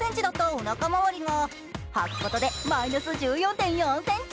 おなか周りもはくことでマイナス１４．４ｃｍ。